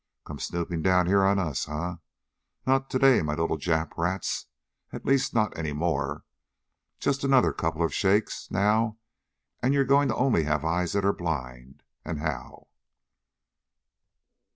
Come snooping down here on us, huh? Not today, my little Jap rats. At least, not any more. Just another couple of shakes, now, and you're going to only have eyes that are blind! And how!"